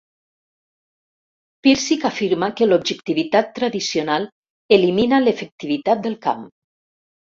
Pirsig afirma que l'objectivitat tradicional elimina l'efectivitat del camp.